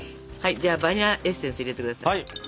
じゃあバニラエッセンス入れて下さい。